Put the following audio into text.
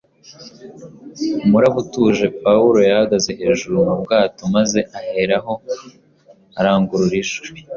Umuraba utuje, Pawulo yahagaze hejuru mu bwato maze aherako arangurura ijwi